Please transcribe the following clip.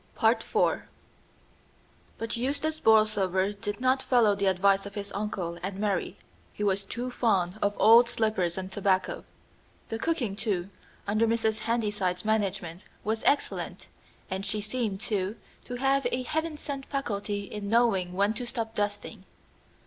IV But Eustace Borlsover did not follow the advice of his uncle and marry. He was too fond of old slippers and tobacco. The cooking, too, under Mrs. Handyside's management was excellent, and she seemed, too, to have a heaven sent faculty in knowing when to stop dusting.